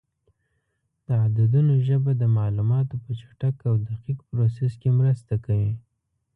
د عددونو ژبه د معلوماتو په چټک او دقیق پروسس کې مرسته کوي.